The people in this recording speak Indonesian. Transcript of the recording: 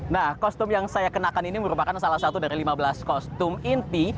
nah kostum yang saya kenakan ini merupakan salah satu dari lima belas kostum inti